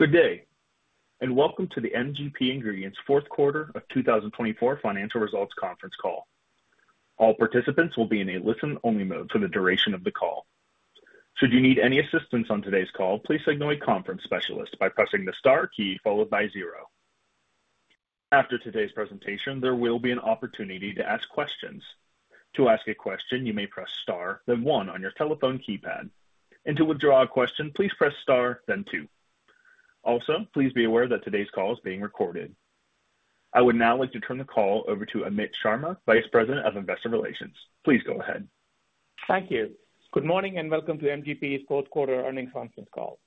Good day, and welcome to the MGP Ingredients fourth quarter of 2024 financial results conference call. All participants will be in a listen-only mode for the duration of the call. Should you need any assistance on today's call, please signal a conference specialist by pressing the star key followed by zero. After today's presentation, there will be an opportunity to ask questions. To ask a question, you may press star, then one on your telephone keypad. And to withdraw a question, please press star, then two. Also, please be aware that today's call is being recorded. I would now like to turn the call over to Amit Sharma, Vice President of Investor Relations. Please go ahead. Thank you. Good morning and welcome to MGP's fourth quarter earnings conference call.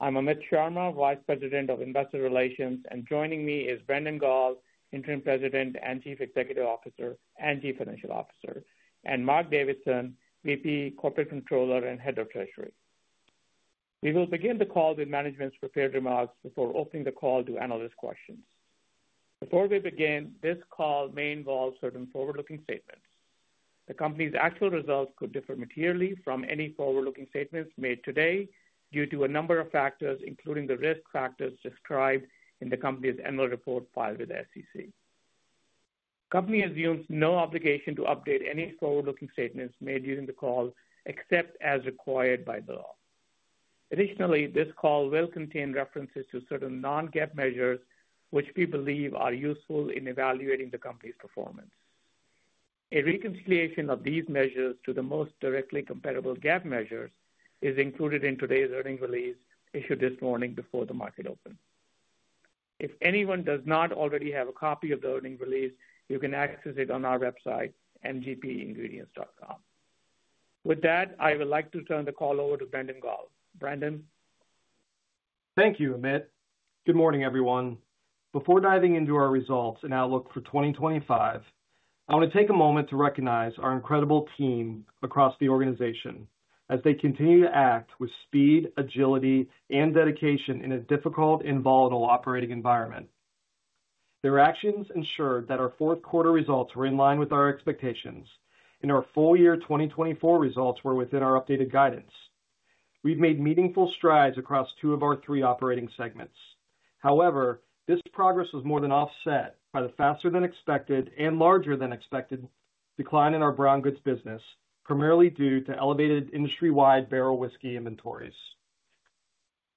I'm Amit Sharma, Vice President of Investor Relations, and joining me is Brandon Gall, Interim President, Chief Executive Officer, and Chief Financial Officer, and Mark Davidson, VP, Corporate Controller, and Head of Treasury. We will begin the call with management's prepared remarks before opening the call to analyst questions. Before we begin, this call may involve certain forward-looking statements. The company's actual results could differ materially from any forward-looking statements made today due to a number of factors, including the risk factors described in the company's annual report filed with the SEC. The company assumes no obligation to update any forward-looking statements made during the call, except as required by law. Additionally, this call will contain references to certain non-GAAP measures, which we believe are useful in evaluating the company's performance. A reconciliation of these measures to the most directly comparable GAAP measures is included in today's earnings release, issued this morning before the market opens. If anyone does not already have a copy of the earnings release, you can access it on our website, MGPIngredients.com. With that, I would like to turn the call over to Brandon Gall. Brandon. Thank you, Amit. Good morning, everyone. Before diving into our results and outlook for 2025, I want to take a moment to recognize our incredible team across the organization as they continue to act with speed, agility, and dedication in a difficult and volatile operating environment. Their actions ensured that our fourth-quarter results were in line with our expectations, and our full-year 2024 results were within our updated guidance. We've made meaningful strides across two of our three operating segments. However, this progress was more than offset by the faster-than-expected and larger-than-expected decline in our brown goods business, primarily due to elevated industry-wide barrel whiskey inventories.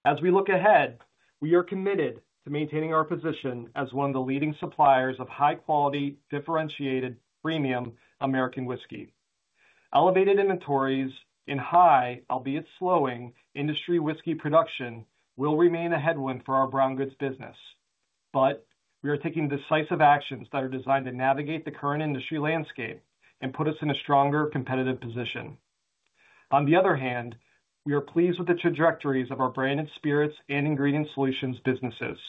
As we look ahead, we are committed to maintaining our position as one of the leading suppliers of high-quality, differentiated, premium American whiskey. Elevated inventories in high, albeit slowing, industry whiskey production will remain a headwind for our brown goods business, but we are taking decisive actions that are designed to navigate the current industry landscape and put us in a stronger competitive position. On the other hand, we are pleased with the trajectories of our Branded Spirits and Ingredient Solutions businesses.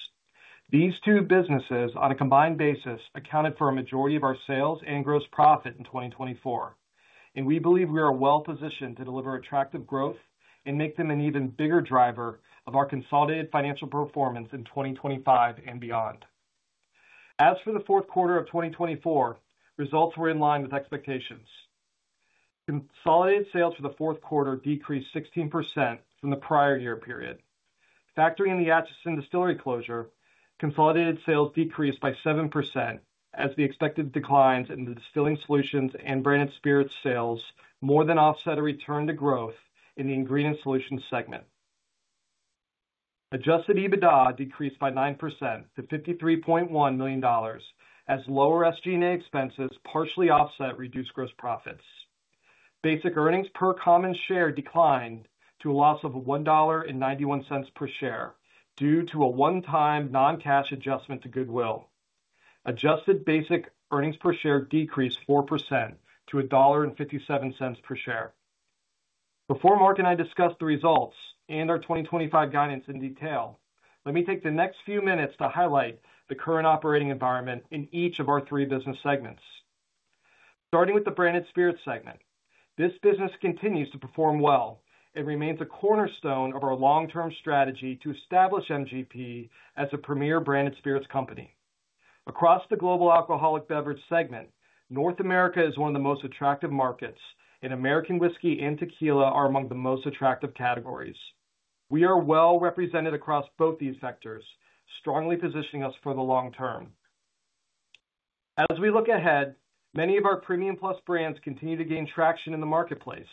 These two businesses, on a combined basis, accounted for a majority of our sales and gross profit in 2024, and we believe we are well-positioned to deliver attractive growth and make them an even bigger driver of our consolidated financial performance in 2025 and beyond. As for the fourth quarter of 2024, results were in line with expectations. Consolidated sales for the fourth quarter decreased 16% from the prior year period. Factoring in the Atchison Distillery closure, consolidated sales decreased by 7% as the expected declines in the Distilling Solutions and Branded Spirits sales more than offset a return to growth in the Ingredient Solutions segment. Adjusted EBITDA decreased by 9% to $53.1 million as lower SG&A expenses partially offset reduced gross profits. Basic earnings per common share declined to a loss of $1.91 per share due to a one-time non-cash adjustment to goodwill. Adjusted basic earnings per share decreased 4% to $1.57 per share. Before Mark and I discuss the results and our 2025 guidance in detail, let me take the next few minutes to highlight the current operating environment in each of our three business segments. Starting with the Branded Spirits segment, this business continues to perform well and remains a cornerstone of our long-term strategy to establish MGP as a premier branded spirits company. Across the global alcoholic beverage segment, North America is one of the most attractive markets, and American whiskey and tequila are among the most attractive categories. We are well-represented across both these sectors, strongly positioning us for the long term. As we look ahead, many of our Premium Plus brands continue to gain traction in the marketplace.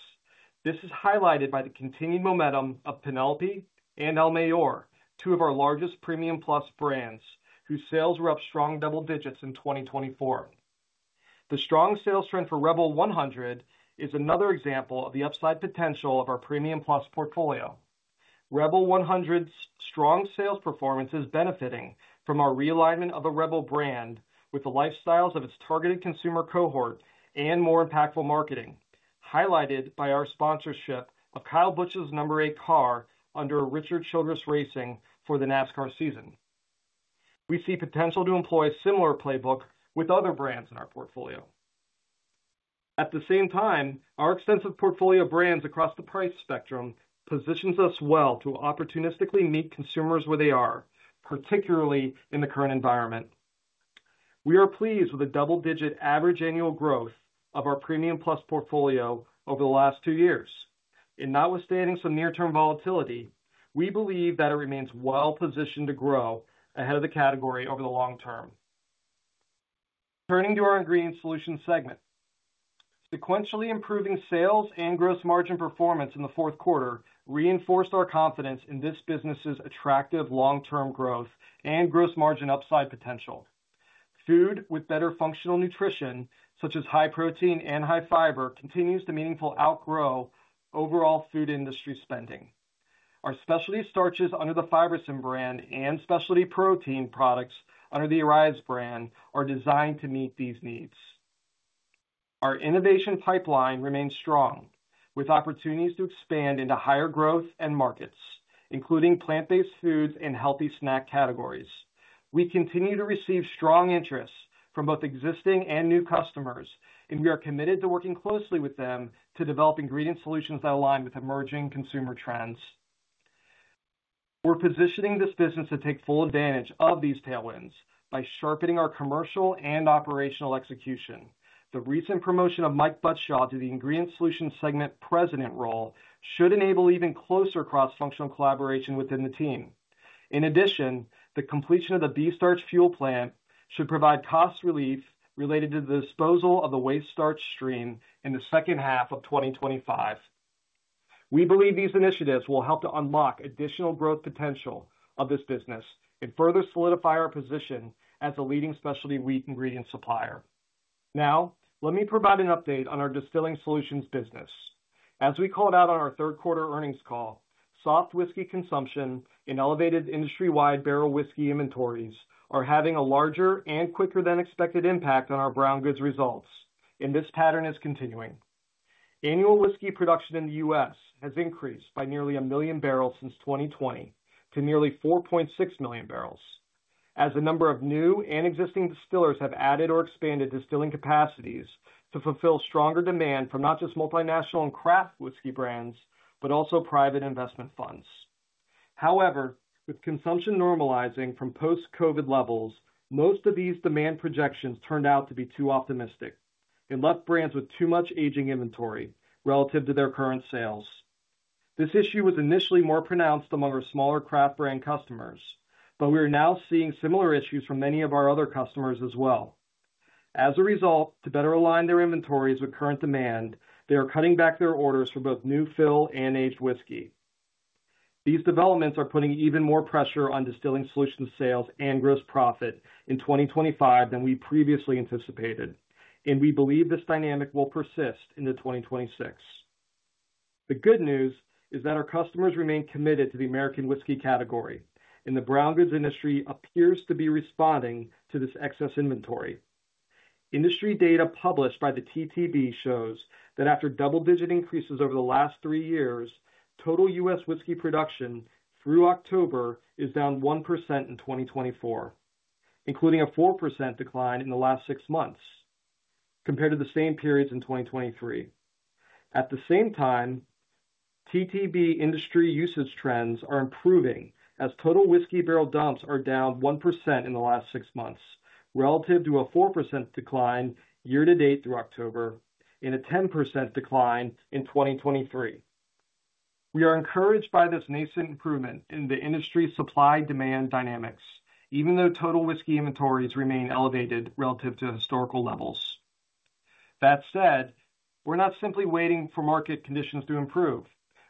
This is highlighted by the continued momentum of Penelope and El Mayor, two of our largest Premium Plus brands, whose sales were up strong double digits in 2024. The strong sales trend for Rebel 100 is another example of the upside potential of our Premium Plus portfolio. Rebel 100's strong sales performance is benefiting from our realignment of the Rebel brand with the lifestyles of its targeted consumer cohort and more impactful marketing, highlighted by our sponsorship of Kyle Busch's number eight car under Richard Childress Racing for the NASCAR season. We see potential to employ a similar playbook with other brands in our portfolio. At the same time, our extensive portfolio of brands across the price spectrum positions us well to opportunistically meet consumers where they are, particularly in the current environment. We are pleased with the double-digit average annual growth of our Premium Plus portfolio over the last two years. Notwithstanding some near-term volatility, we believe that it remains well-positioned to grow ahead of the category over the long term. Turning to our Ingredient Solutions segment, sequentially improving sales and gross margin performance in the fourth quarter reinforced our confidence in this business's attractive long-term growth and gross margin upside potential. Food with better functional nutrition, such as high protein and high fiber, continues to meaningfully outgrow overall food industry spending. Our specialty starches under the Fibersym brand and specialty protein products under the Arise brand are designed to meet these needs. Our innovation pipeline remains strong, with opportunities to expand into higher growth and markets, including plant-based foods and healthy snack categories. We continue to receive strong interest from both existing and new customers, and we are committed to working closely with them to develop Ingredient Solutions that align with emerging consumer trends. We're positioning this business to take full advantage of these tailwinds by sharpening our commercial and operational execution. The recent promotion of Mike Buttshaw to the Ingredient Solutions segment President role should enable even closer cross-functional collaboration within the team. In addition, the completion of the B-starch fuel plant should provide cost relief related to the disposal of the waste starch stream in the second half of 2025. We believe these initiatives will help to unlock additional growth potential of this business and further solidify our position as a leading specialty wheat ingredient supplier. Now, let me provide an update on our Distilling Solutions business. As we called out on our third-quarter earnings call, soft whiskey consumption and elevated industry-wide barrel whiskey inventories are having a larger and quicker-than-expected impact on our brown goods results, and this pattern is continuing. Annual whiskey production in the U.S. has increased by nearly a million barrels since 2020 to nearly 4.6 million barrels, as a number of new and existing distillers have added or expanded distilling capacities to fulfill stronger demand from not just multinational and craft whiskey brands, but also private investment funds. However, with consumption normalizing from post-COVID levels, most of these demand projections turned out to be too optimistic and left brands with too much aging inventory relative to their current sales. This issue was initially more pronounced among our smaller craft brand customers, but we are now seeing similar issues from many of our other customers as well. As a result, to better align their inventories with current demand, they are cutting back their orders for both new fill and aged whiskey. These developments are putting even more pressure on Distilling Solutions sales and gross profit in 2025 than we previously anticipated, and we believe this dynamic will persist into 2026. The good news is that our customers remain committed to the American whiskey category, and the brown goods industry appears to be responding to this excess inventory. Industry data published by the TTB shows that after double-digit increases over the last three years, total U.S. whiskey production through October is down 1% in 2024, including a 4% decline in the last six months compared to the same periods in 2023. At the same time, TTB industry usage trends are improving as total whiskey barrel dumps are down 1% in the last six months relative to a 4% decline year-to-date through October and a 10% decline in 2023. We are encouraged by this nascent improvement in the industry supply-demand dynamics, even though total whiskey inventories remain elevated relative to historical levels. That said, we're not simply waiting for market conditions to improve.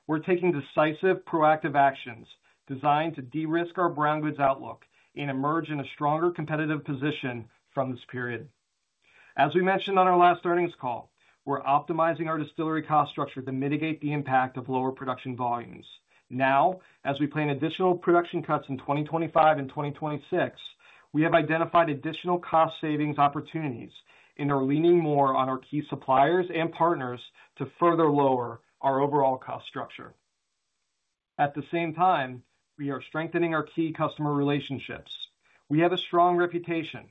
We're taking decisive, proactive actions designed to de-risk our brown goods outlook and emerge in a stronger competitive position from this period. As we mentioned on our last earnings call, we're optimizing our distillery cost structure to mitigate the impact of lower production volumes. Now, as we plan additional production cuts in 2025 and 2026, we have identified additional cost savings opportunities and are leaning more on our key suppliers and partners to further lower our overall cost structure. At the same time, we are strengthening our key customer relationships. We have a strong reputation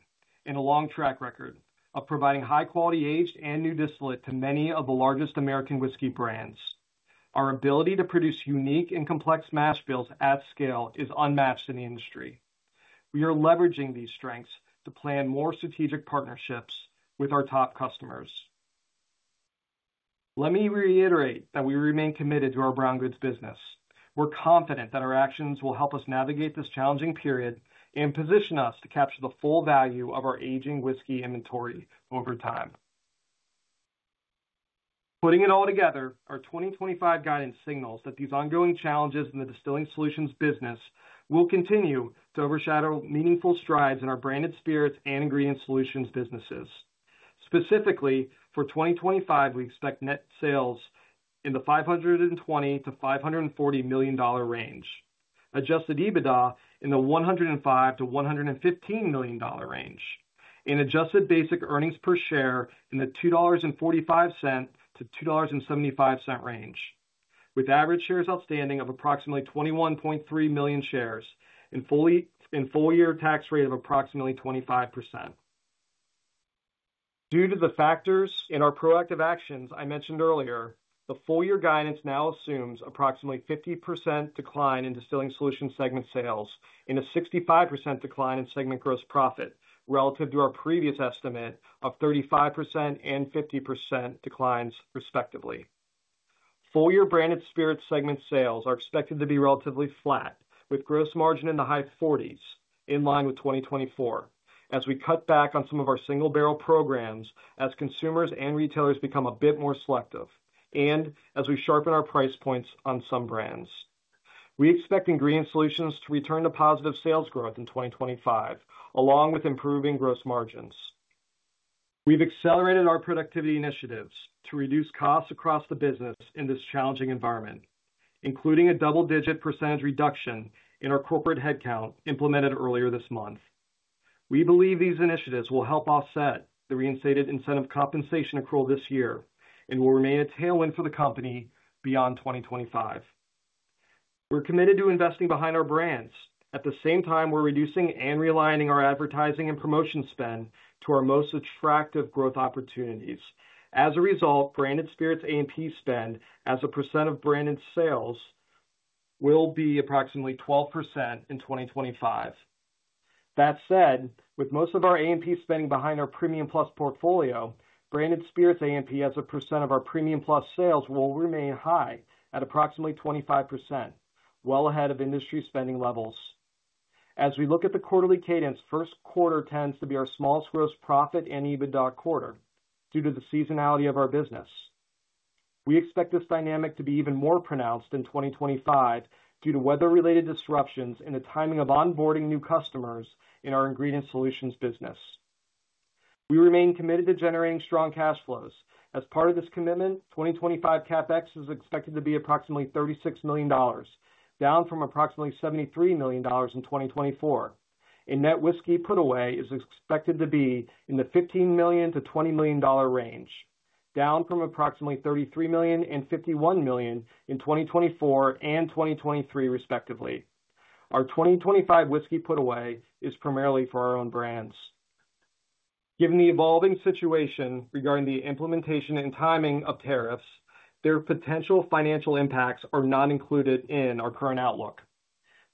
and a long track record of providing high-quality aged and new distillate to many of the largest American whiskey brands. Our ability to produce unique and complex mash bills at scale is unmatched in the industry. We are leveraging these strengths to plan more strategic partnerships with our top customers. Let me reiterate that we remain committed to our brown goods business. We're confident that our actions will help us navigate this challenging period and position us to capture the full value of our aging whiskey inventory over time. Putting it all together, our 2025 guidance signals that these ongoing challenges in the Distilling Solutions business will continue to overshadow meaningful strides in our branded spirits and Ingredient Solutions businesses. Specifically, for 2025, we expect net sales in the $520 million-$540 million range, adjusted EBITDA in the $105 million-$115 million range, and adjusted basic earnings per share in the $2.45-$2.75 range, with average shares outstanding of approximately 21.3 million shares and full-year tax rate of approximately 25%. Due to the factors and our proactive actions I mentioned earlier, the full-year guidance now assumes approximately 50% decline in Distilling Solutions segment sales and a 65% decline in segment gross profit relative to our previous estimate of 35% and 50% declines, respectively. Full-year Branded Spirits segment sales are expected to be relatively flat, with gross margin in the high 40s in line with 2024 as we cut back on some of our single barrel programs as consumers and retailers become a bit more selective and as we sharpen our price points on some brands. W e expect Ingredient Solutions to return to positive sales growth in 2025, along with improving gross margins. We've accelerated our productivity initiatives to reduce costs across the business in this challenging environment, including a double-digit percentage reduction in our corporate headcount implemented earlier this month. We believe these initiatives will help offset the reinstated incentive compensation accrual this year and will remain a tailwind for the company beyond 2025. We're committed to investing behind our brands. At the same time, we're reducing and realigning our advertising and promotion spend to our most attractive growth opportunities. As a result, Branded Spirits A&P spend as a percent of branded sales will be approximately 12% in 2025. That said, with most of our A&P spending behind our Premium Plus portfolio, Branded Spirits A&P as a percent of our Premium Plus sales will remain high at approximately 25%, well ahead of industry spending levels. As we look at the quarterly cadence, first quarter tends to be our smallest gross profit and EBITDA quarter due to the seasonality of our business. We expect this dynamic to be even more pronounced in 2025 due to weather-related disruptions and the timing of onboarding new customers in our Ingredient Solutions business. We remain committed to generating strong cash flows. As part of this commitment, 2025 CapEx is expected to be approximately $36 million, down from approximately $73 million in 2024, and net whiskey put away is expected to be in the $15 million-$20 million range, down from approximately $33 million and $51 million in 2024 and 2023, respectively. Our 2025 whiskey put away is primarily for our own brands. Given the evolving situation regarding the implementation and timing of tariffs, their potential financial impacts are not included in our current outlook.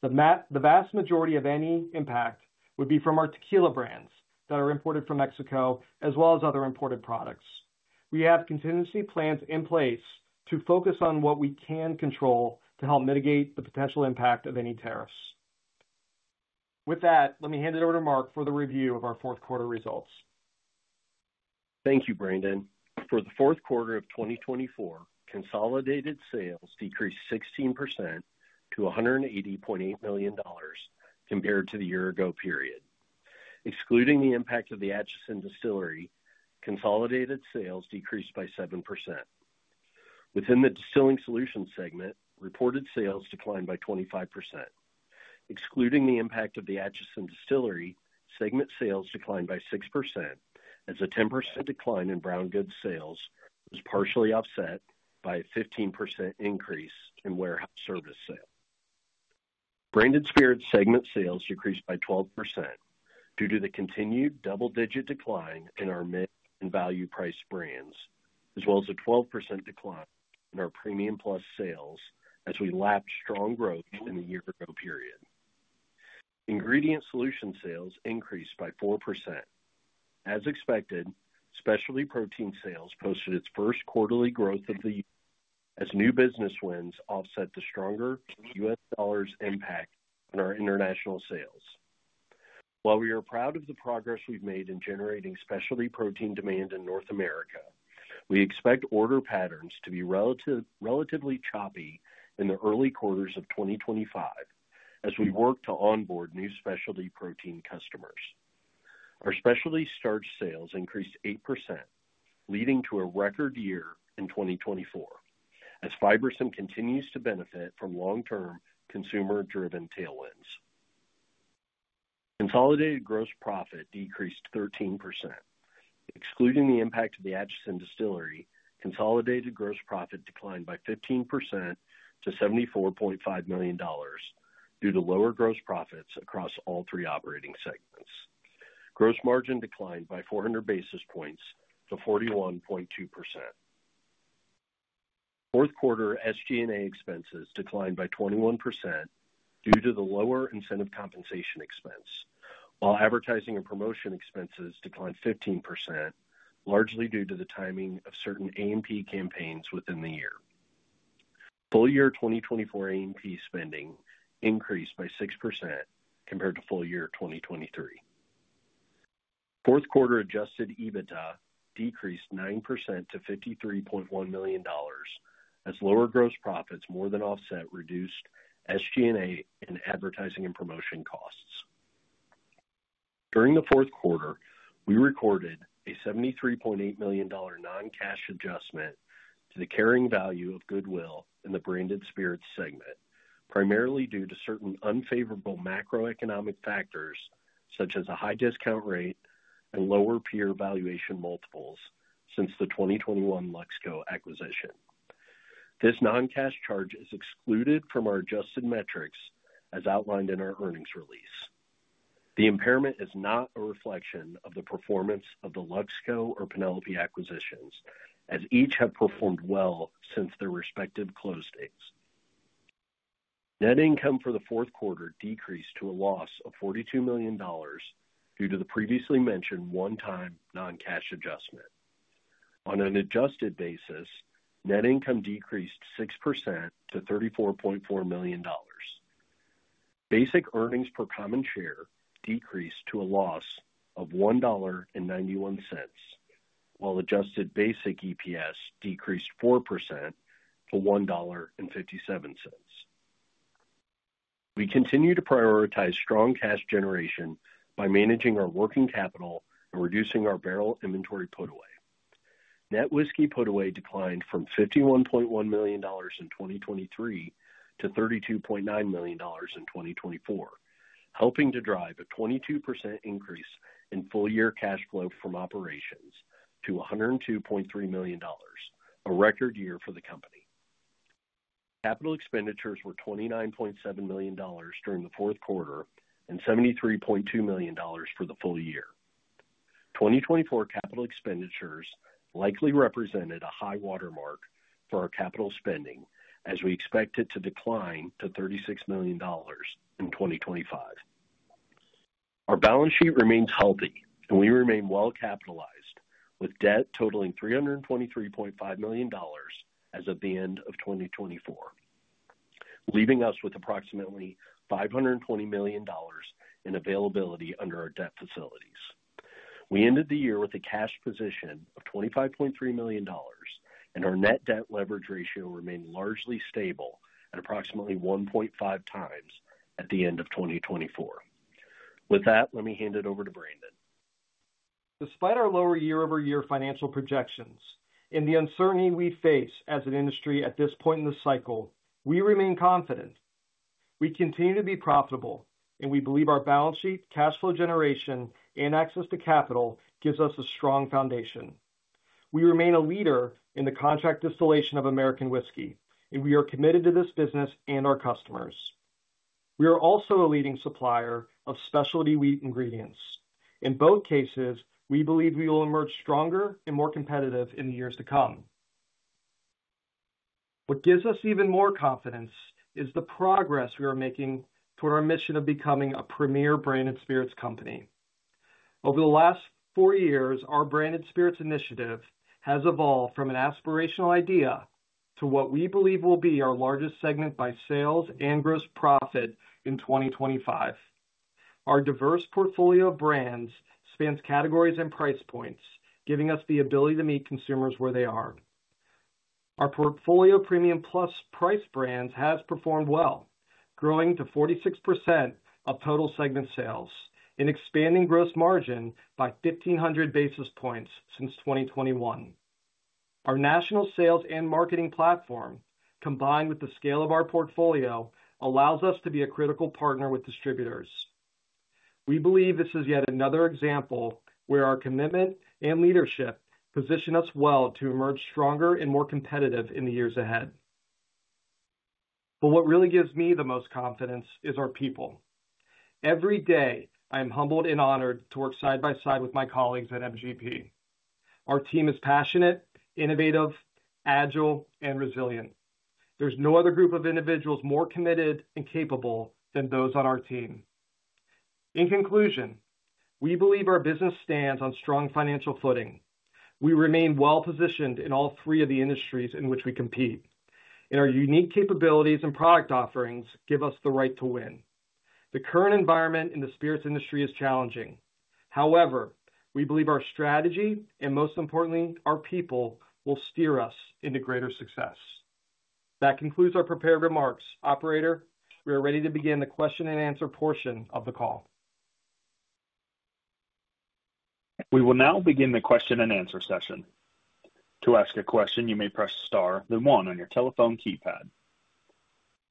The vast majority of any impact would be from our tequila brands that are imported from Mexico, as well as other imported products. We have contingency plans in place to focus on what we can control to help mitigate the potential impact of any tariffs. With that, let me hand it over to Mark for the review of our fourth quarter results. Thank you, Brandon. For the fourth quarter of 2024, consolidated sales decreased 16% to $180.8 million compared to the year-ago period. Excluding the impact of the Atchison Distillery, consolidated sales decreased by 7%. Within the Distilling Solutions segment, reported sales declined by 25%. Excluding the impact of the Atchison Distillery, segment sales declined by 6%, as a 10% decline in brown goods sales was partially offset by a 15% increase in warehouse service sales. Branded Spirits segment sales decreased by 12% due to the continued double-digit decline in our mid and value price brands, as well as a 12% decline in our Premium Plus sales as we lapped strong growth in the year-ago period. Ingredient Solutions sales increased by 4%. As expected, specialty protein sales posted its first quarterly growth of the year as new business wins offset the stronger U.S. dollars impact on our international sales. While we are proud of the progress we've made in generating specialty protein demand in North America, we expect order patterns to be relatively choppy in the early quarters of 2025 as we work to onboard new specialty protein customers. Our specialty starch sales increased 8%, leading to a record year in 2024 as Fibersym continues to benefit from long-term consumer-driven tailwinds. Consolidated gross profit decreased 13%. Excluding the impact of the Atchison Distillery, consolidated gross profit declined by 15% to $74.5 million due to lower gross profits across all three operating segments. Gross margin declined by 400 basis points to 41.2%. Fourth quarter SG&A expenses declined by 21% due to the lower incentive compensation expense, while advertising and promotion expenses declined 15%, largely due to the timing of certain A&P campaigns within the year. Full-year 2024 A&P spending increased by 6% compared to full-year 2023. Fourth quarter Adjusted EBITDA decreased 9% to $53.1 million as lower gross profits more than offset reduced SG&A and advertising and promotion costs. During the fourth quarter, we recorded a $73.8 million non-cash adjustment to the carrying value of goodwill in the Branded Spirits segment, primarily due to certain unfavorable macroeconomic factors such as a high discount rate and lower peer valuation multiples since the 2021 Luxco acquisition. This non-cash charge is excluded from our adjusted metrics as outlined in our earnings release. The impairment is not a reflection of the performance of the Luxco or Penelope acquisitions, as each have performed well since their respective closed dates. Net income for the fourth quarter decreased to a loss of $42 million due to the previously mentioned one-time non-cash adjustment. On an adjusted basis, net income decreased 6% to $34.4 million. Basic earnings per common share decreased to a loss of $1.91, while adjusted basic EPS decreased 4% to $1.57. We continue to prioritize strong cash generation by managing our working capital and reducing our barrel inventory put away. Net whiskey put away declined from $51.1 million in 2023 to $32.9 million in 2024, helping to drive a 22% increase in full-year cash flow from operations to $102.3 million, a record year for the company. Capital expenditures were $29.7 million during the fourth quarter and $73.2 million for the full year. 2024 capital expenditures likely represented a high watermark for our capital spending, as we expect it to decline to $36 million in 2025. Our balance sheet remains healthy, and we remain well capitalized, with debt totaling $323.5 million as of the end of 2024, leaving us with approximately $520 million in availability under our debt facilities. We ended the year with a cash position of $25.3 million, and our net debt leverage ratio remained largely stable at approximately 1.5 times at the end of 2024. With that, let me hand it over to Brandon. Despite our lower year-over-year financial projections and the uncertainty we face as an industry at this point in the cycle, we remain confident. We continue to be profitable, and we believe our balance sheet, cash flow generation, and access to capital gives us a strong foundation. We remain a leader in the contract distillation of American whiskey, and we are committed to this business and our customers. We are also a leading supplier of specialty wheat ingredients. In both cases, we believe we will emerge stronger and more competitive in the years to come. What gives us even more confidence is the progress we are making toward our mission of becoming a premier Branded Spirits company. Over the last four years, our Branded Spirits initiative has evolved from an aspirational idea to what we believe will be our largest segment by sales and gross profit in 2025. Our diverse portfolio of brands spans categories and price points, giving us the ability to meet consumers where they are. Our portfolio Premium Plus price brands have performed well, growing to 46% of total segment sales and expanding gross margin by 1,500 basis points since 2021. Our national sales and marketing platform, combined with the scale of our portfolio, allows us to be a critical partner with distributors. We believe this is yet another example where our commitment and leadership position us well to emerge stronger and more competitive in the years ahead. But what really gives me the most confidence is our people. Every day, I am humbled and honored to work side by side with my colleagues at MGP. Our team is passionate, innovative, agile, and resilient. There's no other group of individuals more committed and capable than those on our team. In conclusion, we believe our business stands on strong financial footing. We remain well-positioned in all three of the industries in which we compete, and our unique capabilities and product offerings give us the right to win. The current environment in the spirits industry is challenging. However, we believe our strategy and, most importantly, our people will steer us into greater success. That concludes our prepared remarks. Operator, we are ready to begin the question-and-answer portion of the call. We will now begin the question and answer session. To ask a question, you may press star then one on your telephone keypad.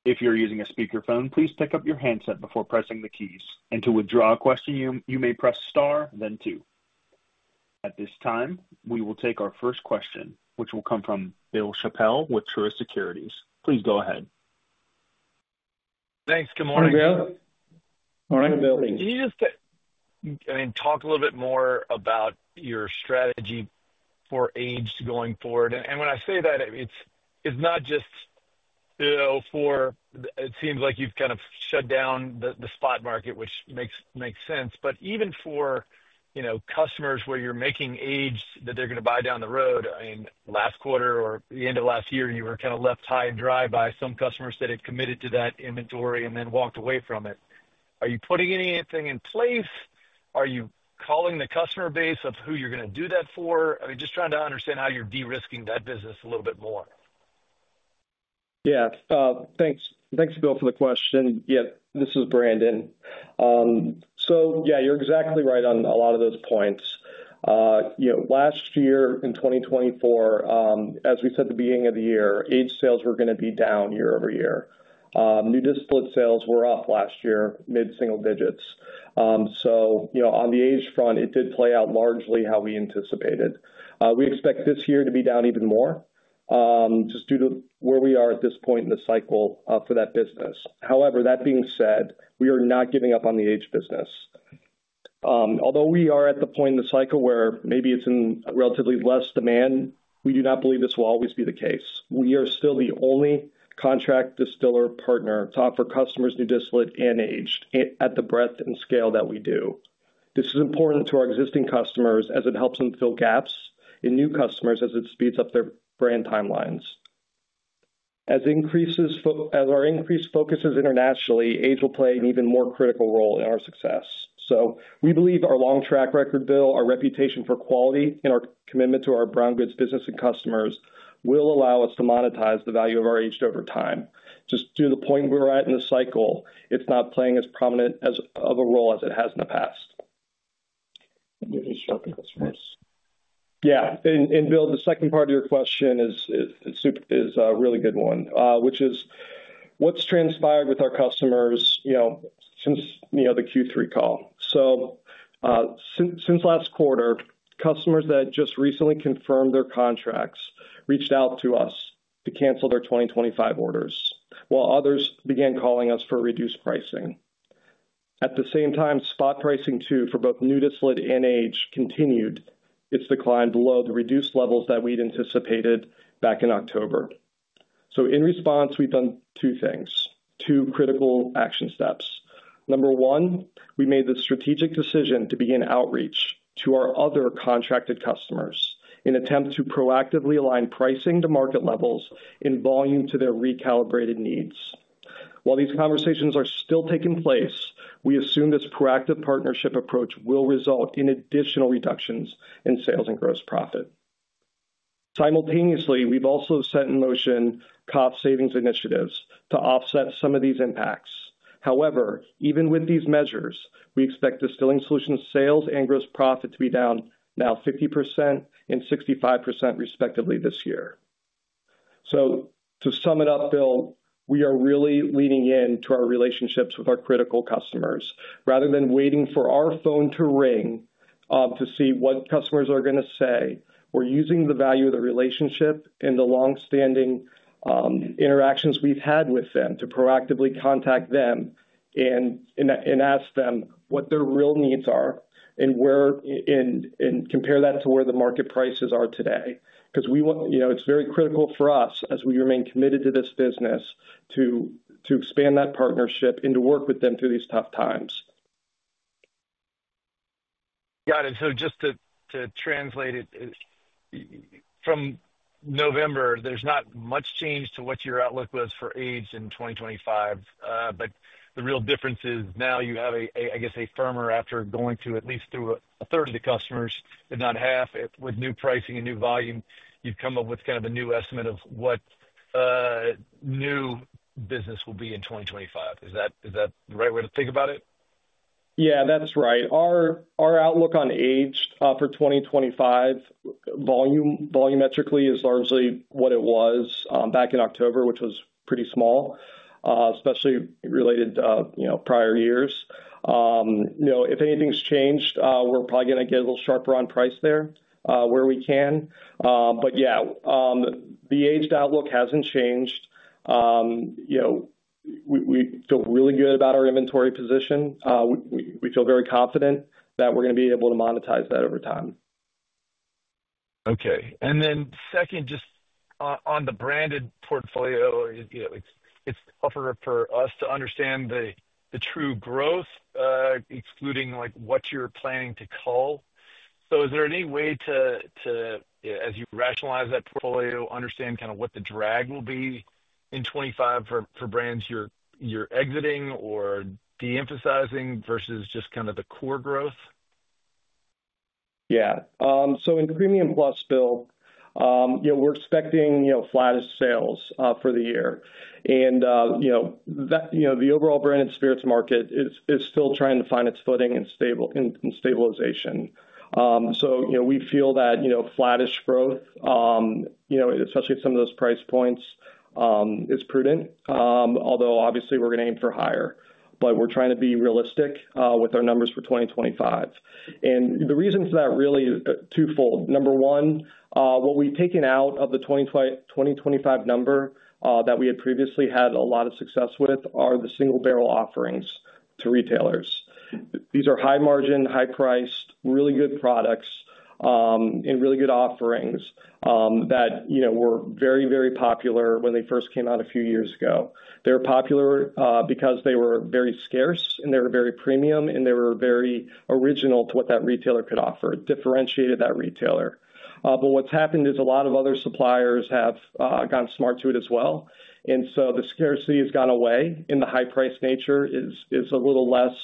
If you're using a speakerphone, please pick up your handset before pressing the keys, and to withdraw a question, you may press star then two. At this time, we will take our first question, which will come from Bill Chappell with Truist Securities. Please go ahead. Thanks, good morning. Can you just, I mean, talk a little bit more about your strategy for aged going forward? And when I say that, it's not just for, it seems like you've kind of shut down the spot market, which makes sense. But even for customers where you're making aged that they're going to buy down the road, I mean, last quarter or the end of last year, you were kind of left high and dry by some customers that had committed to that inventory and then walked away from it. Are you putting anything in place? Are you calling the customer base of who you're going to do that for? I mean, just trying to understand how you're de-risking that business a little bit more. Yeah. Thanks, Bill, for the question. Yeah, this is Brandon. So yeah, you're exactly right on a lot of those points. Last year in 2024, as we said at the beginning of the year, aged sales were going to be down year over year. New distillate sales were up last year, mid-single digits. So on the aged front, it did play out largely how we anticipated. We expect this year to be down even more just due to where we are at this point in the cycle for that business. However, that being said, we are not giving up on the aged business. Although we are at the point in the cycle where maybe it's in relatively less demand, we do not believe this will always be the case. We are still the only contract distiller partner to offer customers new distillate and aged at the breadth and scale that we do. This is important to our existing customers as it helps them fill gaps and new customers as it speeds up their brand timelines. As our increased focus is internationally, aged will play an even more critical role in our success, so we believe our long track record, Bill, our reputation for quality, and our commitment to our brown goods business and customers will allow us to monetize the value of our aged over time. Just to the point we're at in the cycle, it's not playing as prominent of a role as it has in the past. Yeah, and Bill, the second part of your question is a really good one, which is what's transpired with our customers since the Q3 call, so since last quarter, customers that just recently confirmed their contracts reached out to us to cancel their 2025 orders, while others began calling us for reduced pricing. At the same time, spot pricing too for both new distillate and aged continued its decline below the reduced levels that we'd anticipated back in October. So in response, we've done two things, two critical action steps. Number one, we made the strategic decision to begin outreach to our other contracted customers in an attempt to proactively align pricing to market levels and volume to their recalibrated needs. While these conversations are still taking place, we assume this proactive partnership approach will result in additional reductions in sales and gross profit. Simultaneously, we've also set in motion cost savings initiatives to offset some of these impacts. However, even with these measures, we expect distilling solution sales and gross profit to be down now 50% and 65% respectively this year. So to sum it up, Bill, we are really leaning into our relationships with our critical customers. Rather than waiting for our phone to ring to see what customers are going to say, we're using the value of the relationship and the long-standing interactions we've had with them to proactively contact them and ask them what their real needs are and compare that to where the market prices are today. Because it's very critical for us, as we remain committed to this business, to expand that partnership and to work with them through these tough times. Got it. So just to translate it, from November, there's not much change to what your outlook was for age in 2025. But the real difference is now you have, I guess, a firmer after going through at least a third of the customers, if not half, with new pricing and new volume. You've come up with kind of a new estimate of what new business will be in 2025. Is that the right way to think about it? Yeah, that's right. Our outlook on age for 2025 volumetrically is largely what it was back in October, which was pretty small, especially related to prior years. If anything's changed, we're probably going to get a little sharper on price there where we can. But yeah, the age outlook hasn't changed. We feel really good about our inventory position. We feel very confident that we're going to be able to monetize that over time. Okay. And then second, just on the branded portfolio, it's tougher for us to understand the true growth, excluding what you're planning to call. So is there any way to, as you rationalize that portfolio, understand kind of what the drag will be in '25 for brands you're exiting or de-emphasizing versus just kind of the core growth? Yeah. So in Premium Plus, Bill, we're expecting flattish sales for the year. And the overall branded spirits market is still trying to find its footing and stabilization. So we feel that flattish growth, especially at some of those price points, is prudent. Although, obviously, we're going to aim for higher. But we're trying to be realistic with our numbers for 2025. And the reason for that really is twofold. Number one, what we've taken out of the 2025 number that we had previously had a lot of success with are the single barrel offerings to retailers. These are high-margin, high-priced, really good products and really good offerings that were very, very popular when they first came out a few years ago. They were popular because they were very scarce, and they were very premium, and they were very original to what that retailer could offer. It differentiated that retailer. But what's happened is a lot of other suppliers have gone smart to it as well. And so the scarcity has gone away, and the high-priced nature is a little less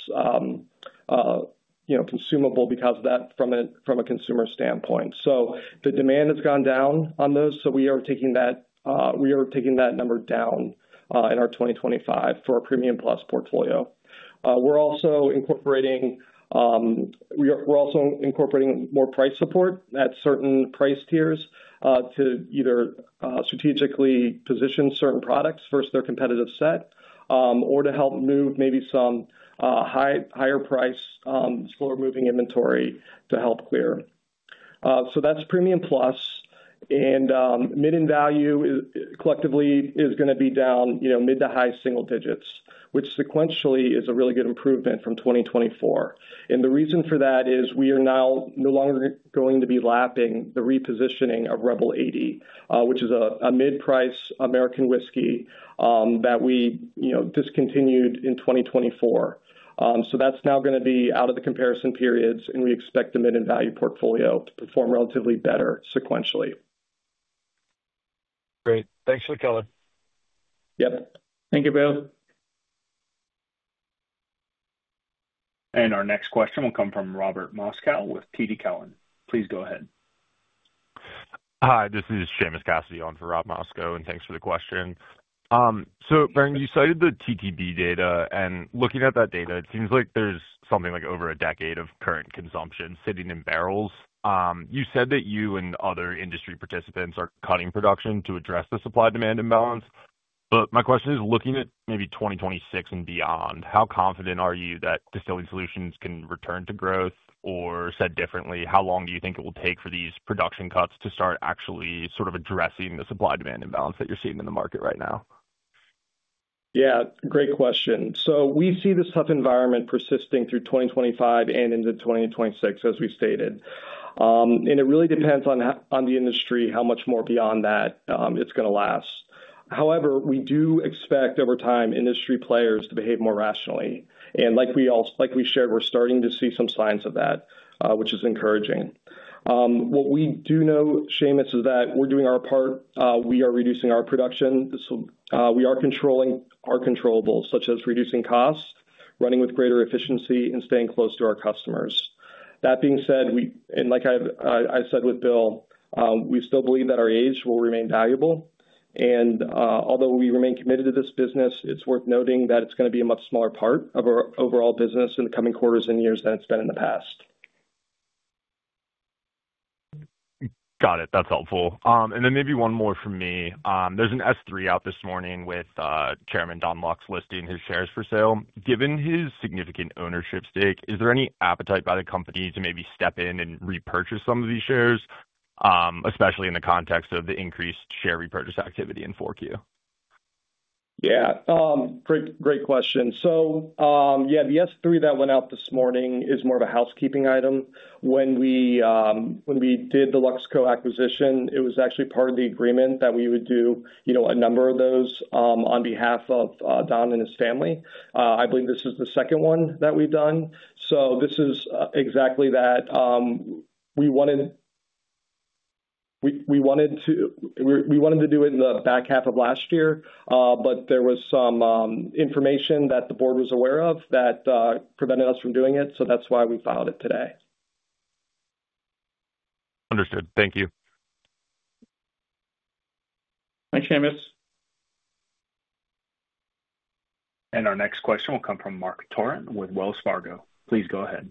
consumable because of that from a consumer standpoint. So the demand has gone down on those. So we are taking that number down in our 2025 for our Premium Plus portfolio. We're also incorporating more price support at certain price tiers to either strategically position certain products versus their competitive set or to help move maybe some higher-priced, slower-moving inventory to help clear. So that's Premium Plus. And Mid and Value collectively is going to be down mid- to high-single digits, which sequentially is a really good improvement from 2024. And the reason for that is we are now no longer going to be lapping the repositioning of Rebel 80, which is a mid-price American whiskey that we discontinued in 2024. So that's now going to be out of the comparison periods, and we expect the Mid and Value portfolio to perform relatively better sequentially. Great. Thanks for the color. Yep. Thank you, Bill. And our next question will come from Robert Moskow with TD Cowen. Please go ahead. Hi, this is Seamus Cassidy on for Rob Moskow, and thanks for the question. So you cited the TTB data, and looking at that data, it seems like there's something like over a decade of current consumption sitting in barrels. You said that you and other industry participants are cutting production to address the supply-demand imbalance. But my question is, looking at maybe 2026 and beyond, how confident are you that Distilling Solutions can return to growth? Or said differently, how long do you think it will take for these production cuts to start actually sort of addressing the supply-demand imbalance that you're seeing in the market right now? Yeah. Great question. So we see this tough environment persisting through 2025 and into 2026, as we stated. And it really depends on the industry how much more beyond that it's going to last. However, we do expect over time industry players to behave more rationally. And like we shared, we're starting to see some signs of that, which is encouraging. What we do know, Seamus, is that we're doing our part. We are reducing our production. We are controlling our controls, such as reducing costs, running with greater efficiency, and staying close to our customers. That being said, and like I said with Bill, we still believe that our aged will remain valuable, and although we remain committed to this business, it's worth noting that it's going to be a much smaller part of our overall business in the coming quarters and years than it's been in the past. Got it. That's helpful. And then maybe one more from me. There's an S-3 out this morning with Chairman Donn Lux listing his shares for sale. Given his significant ownership stake, is there any appetite by the company to maybe step in and repurchase some of these shares, especially in the context of the increased share repurchase activity in 4Q? Yeah. Great question. So yeah, the S-3 that went out this morning is more of a housekeeping item. When we did the Luxco acquisition, it was actually part of the agreement that we would do a number of those on behalf of Donn and his family. I believe this is the second one that we've done. So this is exactly that. We wanted to do it in the back half of last year, but there was some information that the board was aware of that prevented us from doing it. So that's why we filed it today. Understood. Thank you. Thanks, Seamus. And our next question will come from Marc Torrente with Wells Fargo. Please go ahead.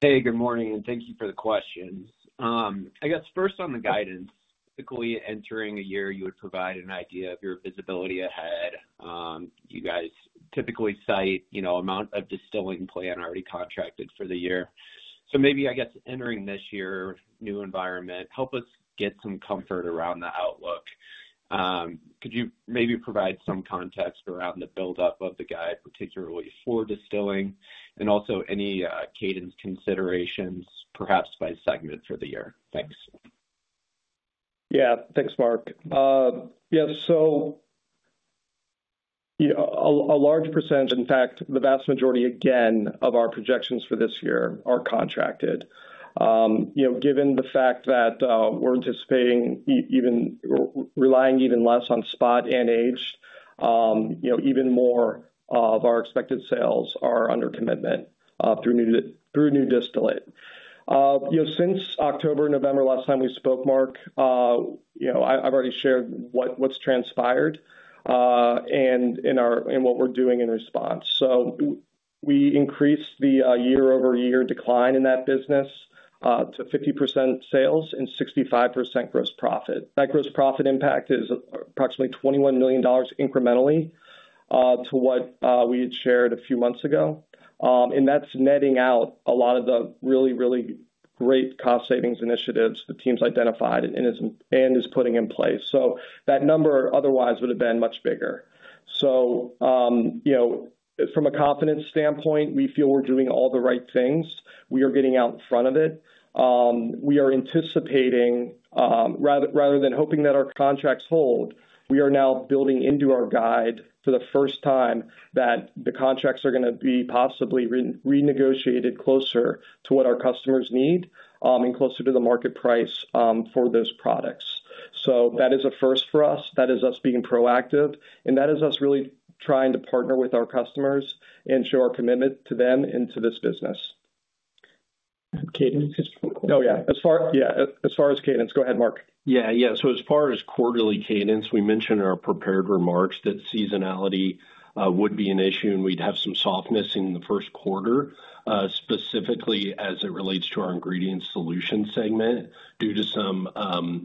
Hey, good morning. And thank you for the question. I guess first on the guidance, typically entering a year, you would provide an idea of your visibility ahead. You guys typically cite the amount of distilling plant already contracted for the year. So maybe, I guess, entering this year, new environment, help us get some comfort around the outlook. Could you maybe provide some context around the buildup of the guide, particularly for distilling, and also any cadence considerations, perhaps by segment for the year? Thanks. Yeah. Thanks, Marc. Yeah. So a large percent, in fact, the vast majority, again, of our projections for this year are contracted. Given the fact that we're anticipating even relying even less on spot and age, even more of our expected sales are under commitment through new distillate. Since October, November, last time we spoke Marc, I've already shared what's transpired and what we're doing in response. So we increased the year-over-year decline in that business to 50% sales and 65% gross profit. That gross profit impact is approximately $21 million incrementally to what we had shared a few months ago. And that's netting out a lot of the really, really great cost savings initiatives the team's identified and is putting in place. So that number otherwise would have been much bigger. So from a confidence standpoint, we feel we're doing all the right things. We are getting out in front of it. We are anticipating, rather than hoping that our contracts hold. We are now building into our guide for the first time that the contracts are going to be possibly renegotiated closer to what our customers need and closer to the market price for those products. So that is a first for us. That is us being proactive. And that is us really trying to partner with our customers and show our commitment to them and to this business. As far as cadence, go ahead, Mark. Yeah. Yeah. As far as quarterly cadence, we mentioned in our prepared remarks that seasonality would be an issue and we'd have some softness in the first quarter, specifically as it relates to our Ingredient Solutions segment due to some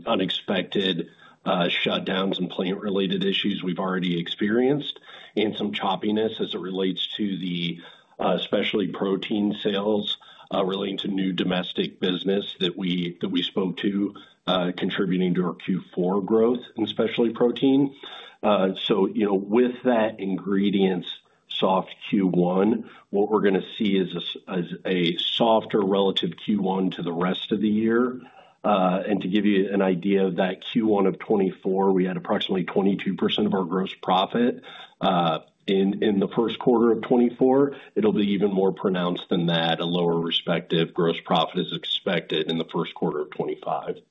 unexpected shutdowns and plant-related issues we've already experienced and some choppiness as it relates to the specialty protein sales relating to new domestic business that we spoke to contributing to our Q4 growth in specialty protein. With that ingredients soft Q1, what we're going to see is a softer relative Q1 to the rest of the year, and to give you an idea of that Q1 of 2024, we had approximately 22% of our gross profit in the first quarter of 2024. It'll be even more pronounced than that. A lower respective gross profit is expected in the first quarter of 2025.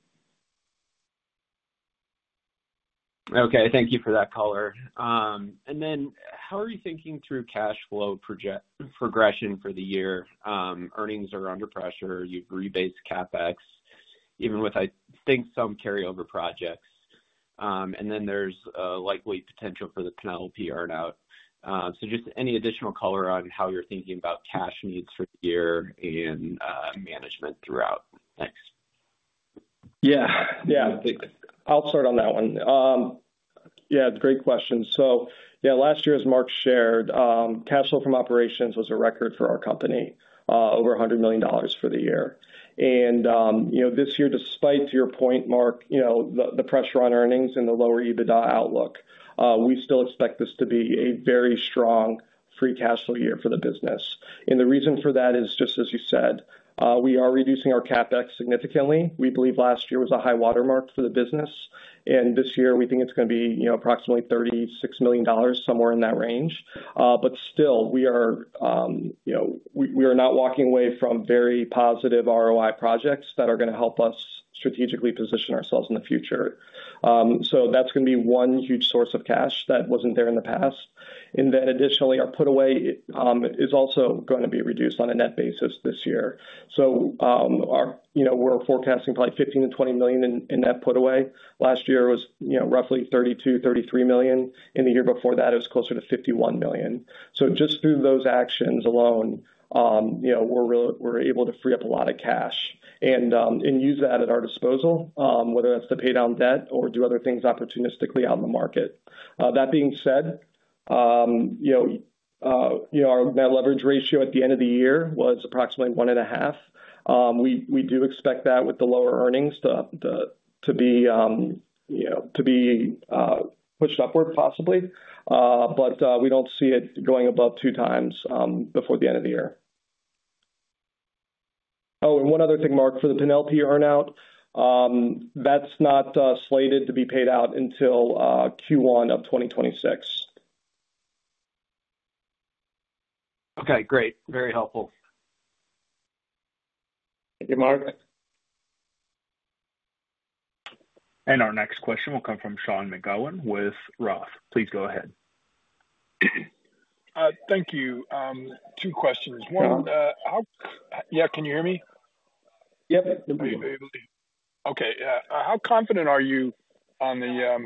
Okay. Thank you for that color. Then how are you thinking through cash flow progression for the year? Earnings are under pressure. You've rebased CapEx, even with, I think, some carryover projects. And then there's a likely potential for the Penelope earnout. So just any additional color on how you're thinking about cash needs for the year and management throughout? Thanks. Yeah. Yeah. I'll start on that one. Yeah. It's a great question. So yeah, last year, as Mark shared, cash flow from operations was a record for our company, over $100 million for the year. And this year, despite your point Marc, the pressure on earnings and the lower EBITDA outlook, we still expect this to be a very strong free cash flow year for the business. And the reason for that is just, as you said, we are reducing our CapEx significantly. We believe last year was a high watermark for the business. This year, we think it's going to be approximately $36 million, somewhere in that range. But still, we are not walking away from very positive ROI projects that are going to help us strategically position ourselves in the future. So that's going to be one huge source of cash that wasn't there in the past. And then additionally, our put away is also going to be reduced on a net basis this year. So we're forecasting probably $15 million-$20 million in net put away. Last year was roughly $32 million-$33 million. And the year before that, it was closer to $51 million. So just through those actions alone, we're able to free up a lot of cash and use that at our disposal, whether that's to pay down debt or do other things opportunistically out in the market. That being said, our net leverage ratio at the end of the year was approximately one and a half. We do expect that with the lower earnings to be pushed upward, possibly. But we don't see it going above two times before the end of the year. Oh, and one other thing, Marc, for the Penelope earnout, that's not slated to be paid out until Q1 of 2026. Okay. Great. Very helpful. Thank you, Mark. And our next question will come from Sean McGowan with Roth. Please go ahead. Thank you. Two questions. One, yeah, can you hear me? Yep. Okay. How confident are you on the,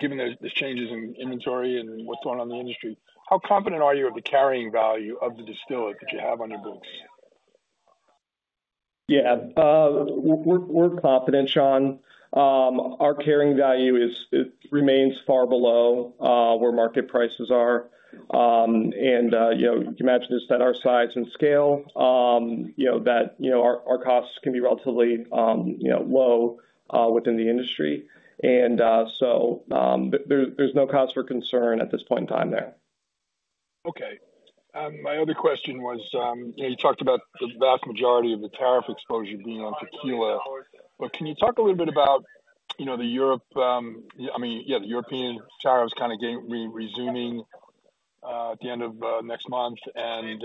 given the changes in inventory and what's going on in the industry, how confident are you of the carrying value of the distillate that you have on your books? Yeah. We're confident, Sean. Our carrying value remains far below where market prices are. And you can imagine just at our size and scale, that our costs can be relatively low within the industry. And so there's no cause for concern at this point in time there. Okay. My other question was, you talked about the vast majority of the tariff exposure being on tequila. But can you talk a little bit about Europe? I mean, yeah, the European tariffs kind of resuming at the end of next month. And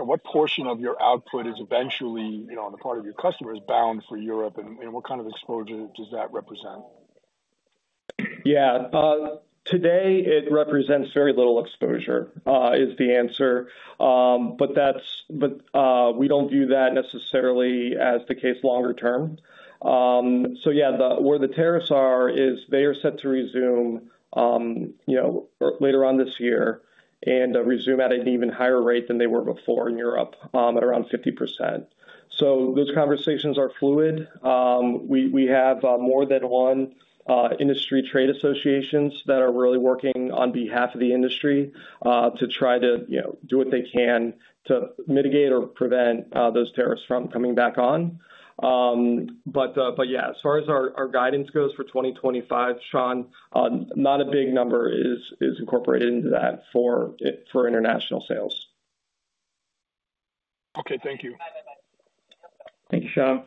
what portion of your output is eventually on the part of your customers bound for Europe? And what kind of exposure does that represent? Yeah. Today, it represents very little exposure is the answer. But we don't view that necessarily as the case longer term. So yeah, where the tariffs are is they are set to resume later on this year and resume at an even higher rate than they were before in Europe at around 50%. So those conversations are fluid. We have more than one industry trade associations that are really working on behalf of the industry to try to do what they can to mitigate or prevent those tariffs from coming back on. But yeah, as far as our guidance goes for 2025, Sean, not a big number is incorporated into that for international sales. Okay. Thank you. Thank you, Sean.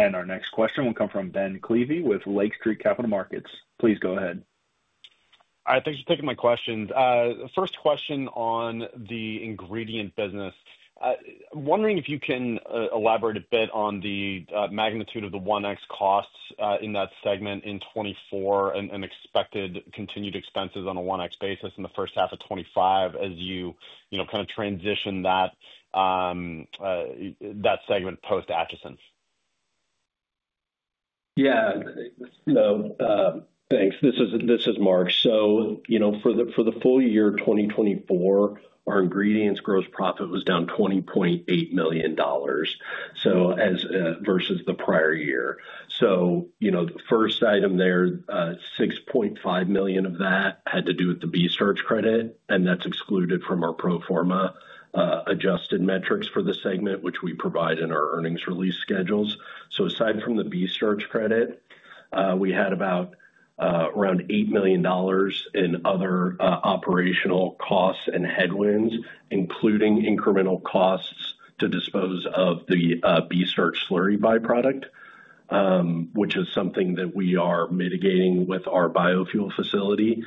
And our next question will come from Ben Klieve with Lake Street Capital Markets. Please go ahead. All right. Thanks for taking my questions. First question on the ingredient business. I'm wondering if you can elaborate a bit on the magnitude of the 1X costs in that segment in 2024 and expected continued expenses on a 1X basis in the first half of 2025 as you kind of transition that segment post-Atchison. Yeah. No. Thanks. This is Mark. So for the full year 2024, our ingredients gross profit was down $20.8 million versus the prior year. So the first item there, $6.5 million of that had to do with the B-starch credit. And that's excluded from our pro forma adjusted metrics for the segment, which we provide in our earnings release schedules. So aside from the B-starch credit, we had about around $8 million in other operational costs and headwinds, including incremental costs to dispose of the B-starch slurry byproduct, which is something that we are mitigating with our biofuel facility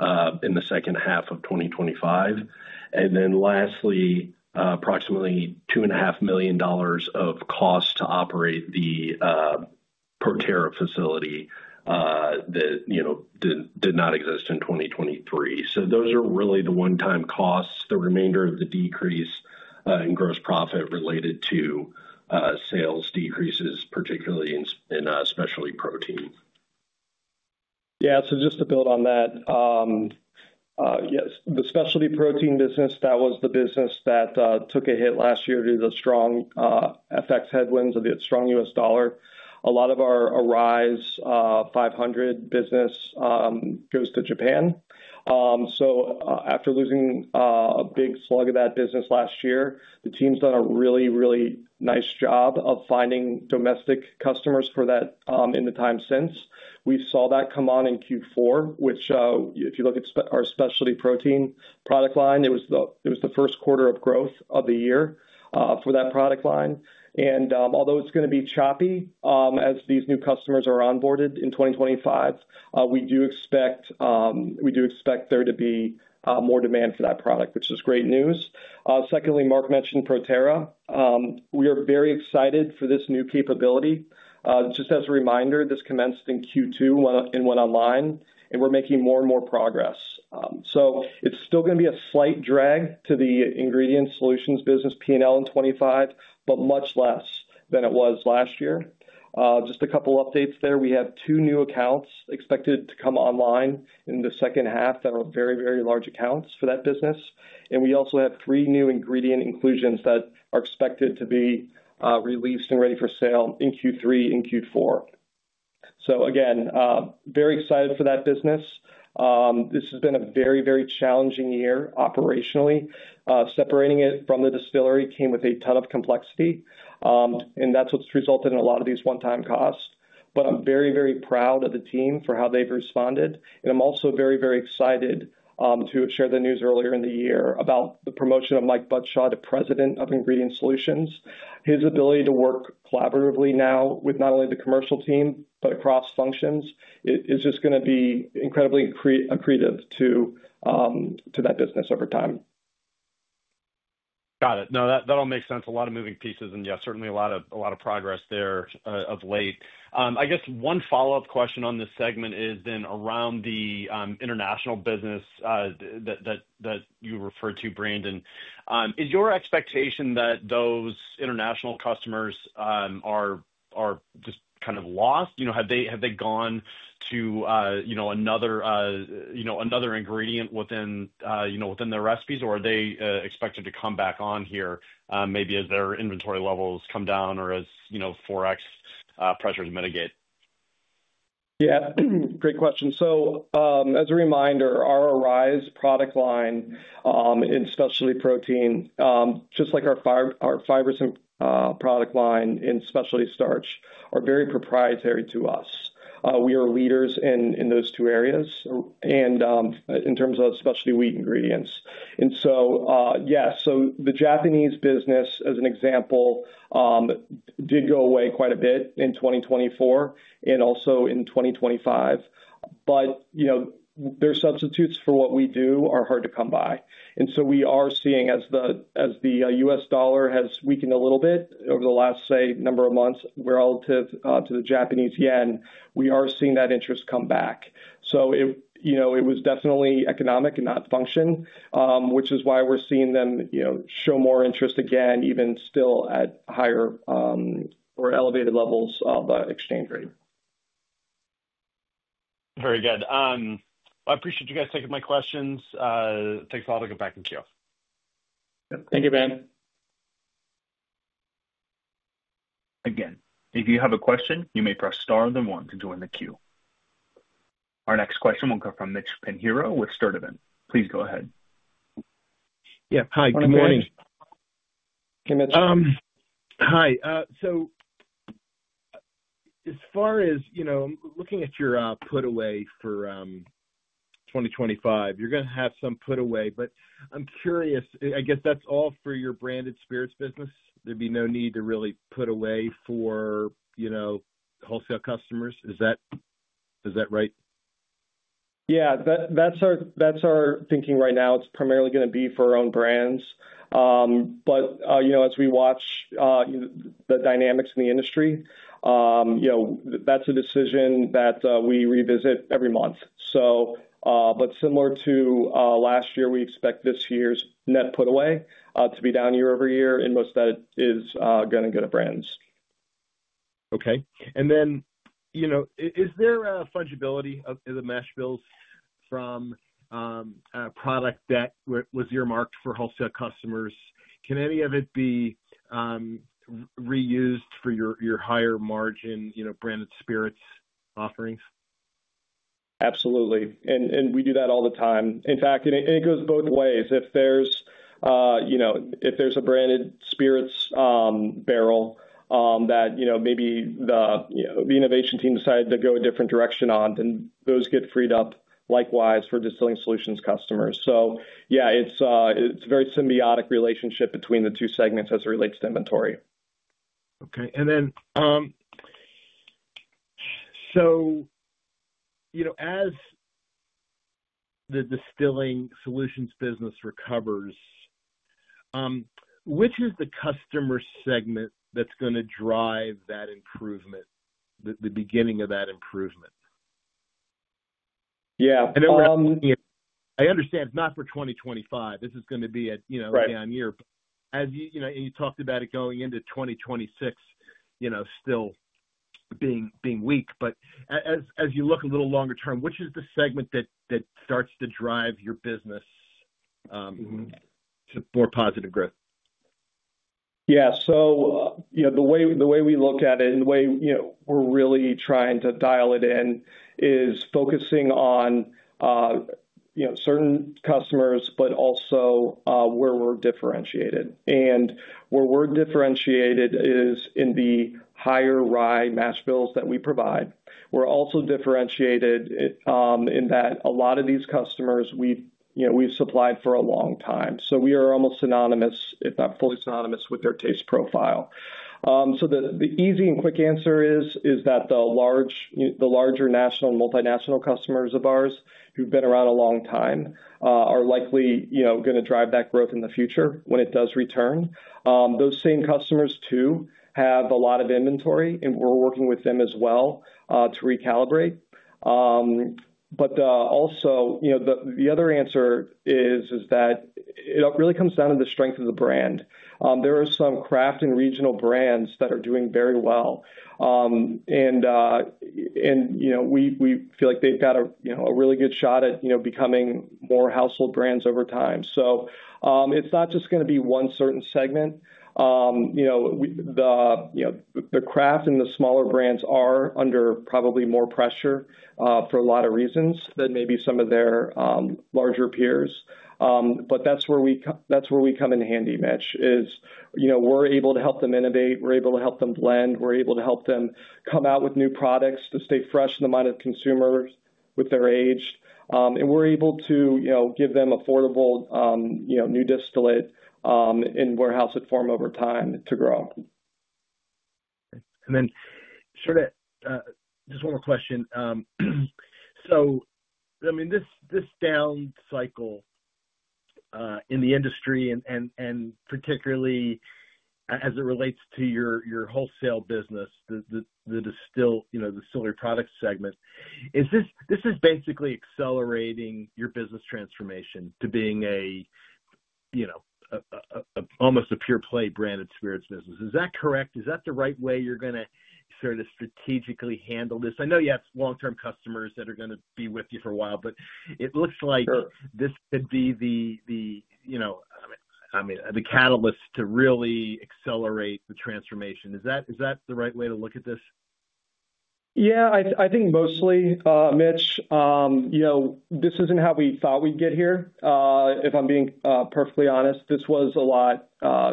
in the second half of 2025. And then lastly, approximately $2.5 million of cost to operate the ProTerra facility that did not exist in 2023. So those are really the one-time costs, the remainder of the decrease in gross profit related to sales decreases, particularly in specialty protein. Yeah. So just to build on that, yes, the specialty protein business, that was the business that took a hit last year due to the strong FX headwinds of the strong U.S. dollar. A lot of our Arise 500 business goes to Japan. So after losing a big slug of that business last year, the team's done a really, really nice job of finding domestic customers for that in the time since. We saw that come on in Q4, which if you look at our specialty protein product line, it was the first quarter of growth of the year for that product line. Although it's going to be choppy as these new customers are onboarded in 2025, we do expect there to be more demand for that product, which is great news. Secondly, Mark mentioned ProTerra. We are very excited for this new capability. Just as a reminder, this commenced in Q2 in one line. We're making more and more progress. It's still going to be a slight drag to the Ingredient Solutions business P&L in 2025, but much less than it was last year. Just a couple of updates there. We have two new accounts expected to come online in the second half that are very, very large accounts for that business. We also have three new ingredient inclusions that are expected to be released and ready for sale in Q3 and Q4. Again, very excited for that business. This has been a very, very challenging year operationally. Separating it from the distillery came with a ton of complexity, and that's what's resulted in a lot of these one-time costs, but I'm very, very proud of the team for how they've responded, and I'm also very, very excited to share the news earlier in the year about the promotion of Mike Buttshaw to president of Ingredient Solutions. His ability to work collaboratively now with not only the commercial team, but across functions, is just going to be incredibly accretive to that business over time. Got it. No, that all makes sense. A lot of moving pieces, and yeah, certainly a lot of progress there of late. I guess one follow-up question on this segment is then around the international business that you referred to, Brandon. Is your expectation that those international customers are just kind of lost? Have they gone to another ingredient within their recipes, or are they expected to come back on here maybe as their inventory levels come down or as forex pressures mitigate? Yeah. Great question. So as a reminder, our Arise product line in specialty protein, just like our Fibersym product line in specialty starch, are very proprietary to us. We are leaders in those two areas in terms of specialty wheat ingredients. And so yeah, so the Japanese business, as an example, did go away quite a bit in 2024 and also in 2025. But their substitutes for what we do are hard to come by. And so we are seeing as the U.S. dollar has weakened a little bit over the last, say, number of months relative to the Japanese yen, we are seeing that interest come back. So it was definitely economic and not function, which is why we're seeing them show more interest again, even still at higher or elevated levels of exchange rate. Very good. I appreciate you guys taking my questions. Thanks a lot. To go back in the queue. Thank you, Ben. Again, if you have a question, you may press star and then one to join the queue. Our next question will come from Mitch Pinheiro with Sturdivant. Please go ahead. Yeah. Hi. Good morning. Hey, Mitch. Hi. So as far as looking at your put away for 2025, you're going to have some put away. But I'm curious, I guess that's all for your Branded Spirits business. There'd be no need to really put away for wholesale customers. Is that right? Yeah. That's our thinking right now. It's primarily going to be for our own brands. But as we watch the dynamics in the industry, that's a decision that we revisit every month. But similar to last year, we expect this year's net put away to be down year over year. And most of that is going to go to brands. Okay. And then is there a fungibility of the mash bills from a product that was earmarked for wholesale customers? Can any of it be reused for your higher margin Branded Spirits offerings? Absolutely. And we do that all the time. In fact, and it goes both ways. If there's a branded spirits barrel that maybe the innovation team decided to go a different direction on, then those get freed up likewise for Distilling Solutions customers. So yeah, it's a very symbiotic relationship between the two segments as it relates to inventory. Okay. And then, so as the Distilling Solutions business recovers, which is the customer segment that's going to drive that improvement, the beginning of that improvement? Yeah. I understand it's not for 2025. This is going to be a down year, and you talked about it going into 2026 still being weak, but as you look a little longer term, which is the segment that starts to drive your business to more positive growth? Yeah. The way we look at it and the way we're really trying to dial it in is focusing on certain customers, but also where we're differentiated, and where we're differentiated is in the higher-rye mash bills that we provide. We're also differentiated in that a lot of these customers we've supplied for a long time, so we are almost synonymous, if not fully synonymous, with their taste profile. The easy and quick answer is that the larger national and multinational customers of ours who've been around a long time are likely going to drive that growth in the future when it does return. Those same customers too have a lot of inventory. And we're working with them as well to recalibrate. But also, the other answer is that it really comes down to the strength of the brand. There are some craft and regional brands that are doing very well. And we feel like they've got a really good shot at becoming more household brands over time. So it's not just going to be one certain segment. The craft and the smaller brands are under probably more pressure for a lot of reasons than maybe some of their larger peers. But that's where we come in handy, Mitch, is we're able to help them innovate. We're able to help them blend. We're able to help them come out with new products to stay fresh in the mind of consumers with their age. And we're able to give them affordable new distillate in warehouse form over time to grow. And then just one more question. So I mean, this down cycle in the industry and particularly as it relates to your wholesale business, the distillery product segment, this is basically accelerating your business transformation to being almost a pure play Branded Spirits business. Is that correct? Is that the right way you're going to sort of strategically handle this? I know you have long-term customers that are going to be with you for a while, but it looks like this could be the, I mean, the catalyst to really accelerate the transformation. Is that the right way to look at this? Yeah. I think mostly, Mitch. This isn't how we thought we'd get here, if I'm being perfectly honest. This was a lot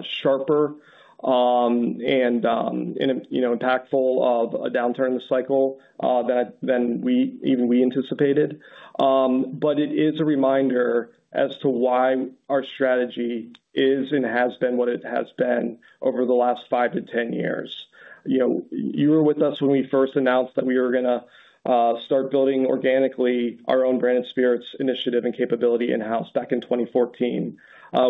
sharper and impactful of a downturn in the cycle than even we anticipated, but it is a reminder as to why our strategy is and has been what it has been over the last five to 10 years. You were with us when we first announced that we were going to start building organically our own Branded Spirits initiative and capability in-house back in 2014.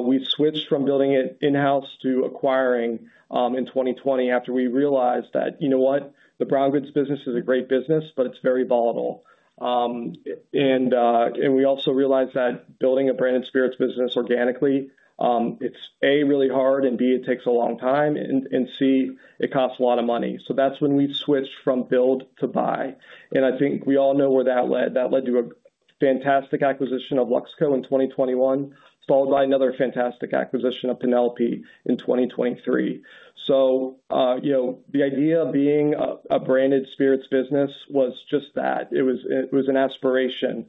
We switched from building it in-house to acquiring in 2020 after we realized that, you know what, the brown goods business is a great business, but it's very volatile, and we also realized that building a branded spirits business organically, it's A, really hard, and B, it takes a long time, and C, it costs a lot of money, so that's when we switched from build to buy. I think we all know where that led. That led to a fantastic acquisition of Luxco in 2021, followed by another fantastic acquisition of Penelope in 2023. The idea of being a branded spirits business was just that. It was an aspiration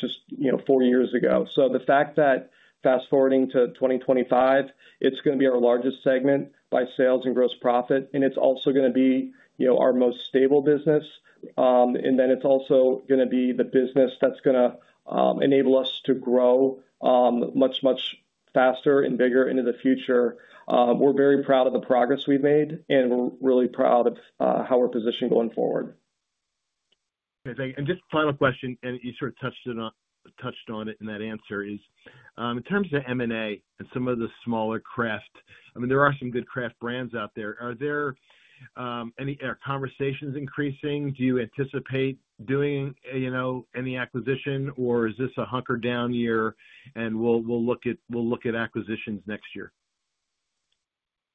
just four years ago. The fact that fast-forwarding to 2025, it's going to be our largest segment by sales and gross profit. It's also going to be our most stable business. It's also going to be the business that's going to enable us to grow much, much faster and bigger into the future. We're very proud of the progress we've made, and we're really proud of how we're positioned going forward. Okay. Thank you. And just final question, and you sort of touched on it in that answer, is in terms of M&A and some of the smaller craft. I mean, there are some good craft brands out there. Are there any conversations increasing? Do you anticipate doing any acquisition, or is this a hunker down year and we'll look at acquisitions next year?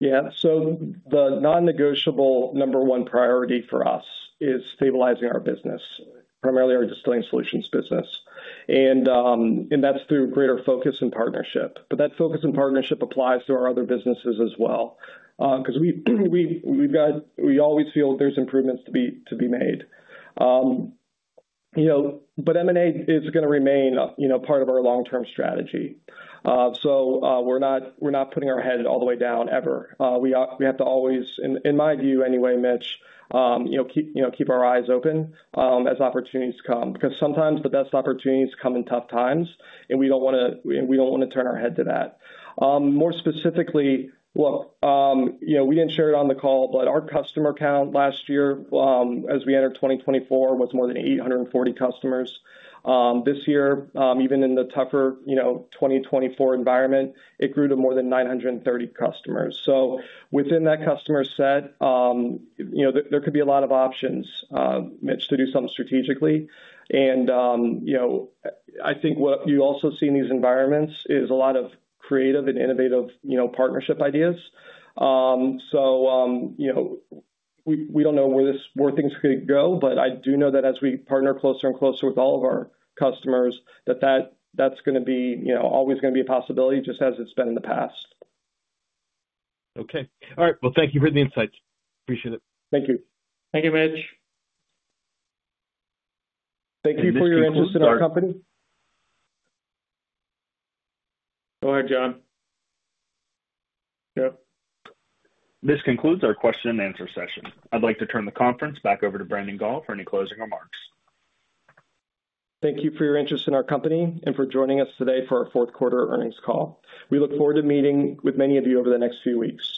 Yeah. So the non-negotiable number one priority for us is stabilizing our business, primarily our Distilling Solutions business. And that's through greater focus and partnership. But that focus and partnership applies to our other businesses as well because we always feel there's improvements to be made. But M&A is going to remain part of our long-term strategy. So we're not putting our head all the way down ever. We have to always, in my view anyway, Mitch, keep our eyes open as opportunities come because sometimes the best opportunities come in tough times, and we don't want to turn our head to that. More specifically, look, we didn't share it on the call, but our customer count last year as we entered 2024 was more than 840 customers. This year, even in the tougher 2024 environment, it grew to more than 930 customers. So within that customer set, there could be a lot of options, Mitch, to do something strategically, and I think what you also see in these environments is a lot of creative and innovative partnership ideas. So we don't know where things could go, but I do know that as we partner closer and closer with all of our customers, that that's going to be always going to be a possibility just as it's been in the past. Okay. All right. Well, thank you for the insights. Appreciate it. Thank you. Thank you, Mitch. Thank you for your interest in our company. Go ahead, John. Yep. This concludes our question and answer session. I'd like to turn the conference back over to Brandon Gall for any closing remarks. Thank you for your interest in our company and for joining us today for our fourth quarter earnings call. We look forward to meeting with many of you over the next few weeks.